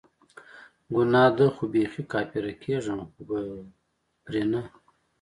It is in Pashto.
ګناه ده خو بیخي کافره کیږم خو به پری نه